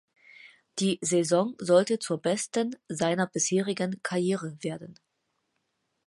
Die Saison sollte zur besten seiner bisherigen Karriere werden.